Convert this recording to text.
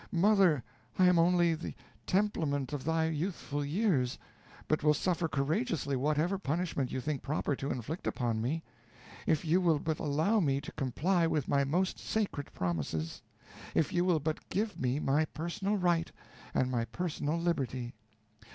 Mother, I am only the templement of thy youthful years, but will suffer courageously whatever punishment you think proper to inflict upon me, if you will but allow me to comply with my most sacred promises if you will but give me my personal right and my personal liberty.